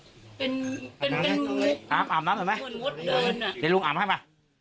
เดี๋ยวลุงอาบให้ป่ะ